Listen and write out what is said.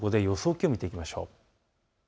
気温を見ていきましょう。